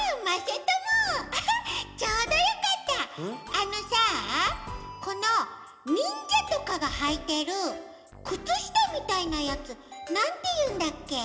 あのさこのにんじゃとかがはいてるくつしたみたいなやつなんていうんだっけ？